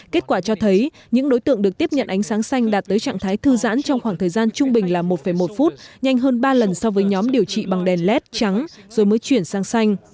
kết quả cho thấy những đối tượng được tiếp nhận ánh sáng xanh đạt tới trạng thái thư giãn trong khoảng thời gian trung bình là một một phút nhanh hơn ba lần so với nhóm điều trị bằng đèn led trắng rồi mới chuyển sang xanh